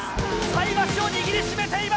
さい箸を握り締めています。